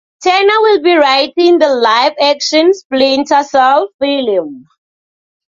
Turner will be writing the live action "Splinter Cell" film.